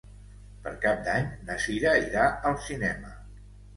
Per Cap d'Any na Sira irà al cinema.